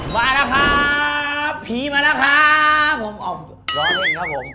มาแล้วครับผีมาแล้วครับผมออกล้อเล่นครับผม